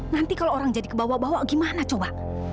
nanti kalau orang jadi kebawa bawa gimana coba